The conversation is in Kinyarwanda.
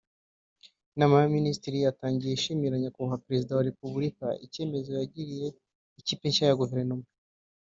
Inama y’Abaminisitiri yatangiye ishimira Nyakubahwa Perezida wa Repubulika icyizere yagiriye ikipe nshya ya Guverinoma